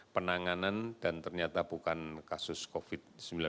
penanganan dan ternyata bukan kasus covid sembilan belas